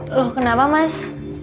loh kenapa mas